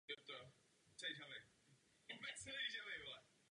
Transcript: Dnes jsou určeny k obytným účelům.